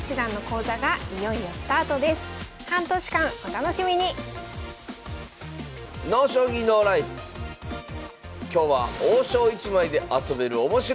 半年間お楽しみに今日は王将１枚で遊べるおもしろ将棋。